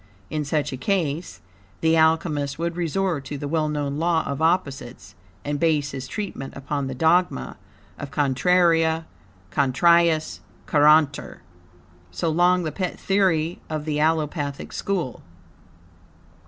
In such a case, the Alchemist would resort to the well known law of opposites, and base his treatment upon the dogma of "Contraria contrariis curantur," so long the pet theory of the Allopathic school.